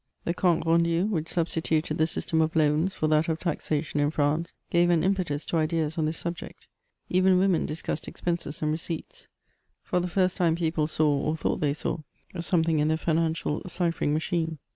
The Campte RendUy whidi substituted the system of loans for that of taxation in France, gave an impetus to ideas on this subject ; even women discussed expenses and receipts ; for the first time people saw, or thought they saw, something in the financial ciphering machine.